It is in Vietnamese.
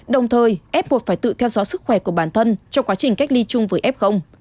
đồng thời f một phải tự theo dõi sức khỏe của bản thân trong quá trình cách ly chung với f